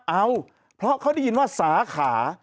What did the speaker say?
เอาเพราะเขาได้ยินว่าสาขา